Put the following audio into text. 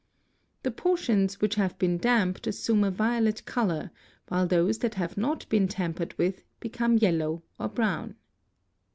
The portions which have been damped assume a violet colour 1 while those that have not been tampered with become yellow or brown.